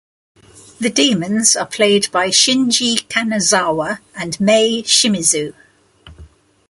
The demons are played by Shinji Kanazawa and Mai Shimizu.